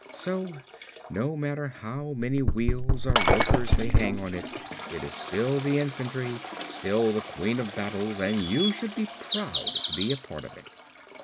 So no matter how many wheels or rotors they hang on it, it is still the infantry, still the Queen of Battles and you should be proud to be a part of it."